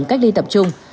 và cách ly tập trung